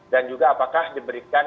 dan juga apakah diberikan